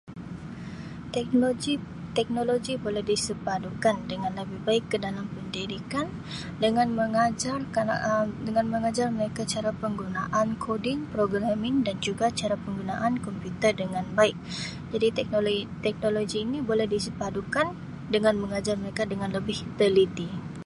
"Teknologi teknologi boleh disepadukan dengan lebih baik ke dalam pendidikan dengan mengajar kanak Um dengan mengajar mereka cara penggunaan ""coding"" ""programing"" dan juga cara penggunaan komputer dengan baik jadi tekno-teknologi ini boleh disepadukan dengan mengajar mereka dengan lebih teliti."